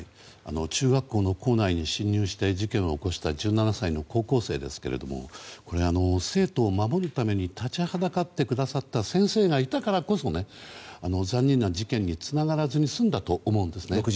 中学校の校内に侵入して事件を起こした１７歳の高校生ですけれども生徒を守るために立ちはだかってくださった先生がいたからこそ残忍な事件につながらずに済んだと思うんですね。